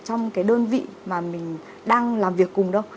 trong cái đơn vị mà mình đang làm việc cùng đâu